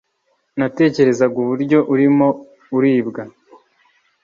natekerezaga uburyo urimo kuribwa